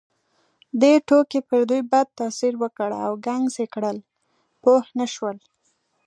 دې ټوکې پر دوی بد تاثیر وکړ او ګنګس یې کړل، پوه نه شول.